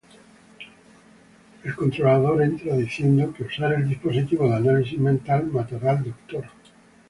El controlador entra, diciendo que usar el dispositivo de análisis mental matará al Doctor.